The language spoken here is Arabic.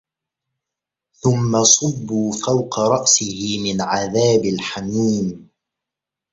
ثُمَّ صُبّوا فَوقَ رَأسِهِ مِن عَذابِ الحَميمِ